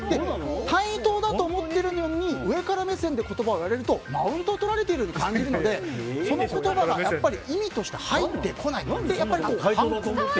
対等だと思っているのに上から目線でその言葉を言われるとマウントをとられているように感じるので、その言葉が意味として入ってこない。